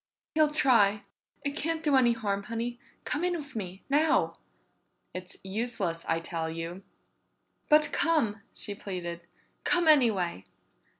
"He'll try. It can't do any harm, Honey. Come in with me. Now!" "It's useless, I tell you!" "But come," she pleaded. "Come anyway!"